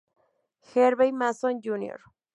Harvey Mason, Jr.